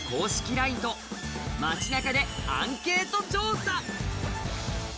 ＬＩＮＥと街なかでアンケート調査。